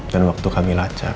dan waktu kami lacak